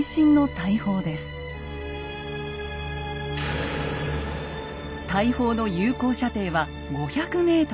大砲の有効射程は５００ｍ。